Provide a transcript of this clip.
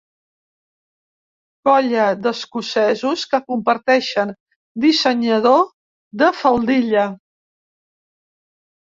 Colla d'escocesos que comparteixen dissenyador de faldilla.